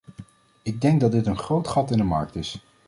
Ik denk dat dit een groot gat in de markt is.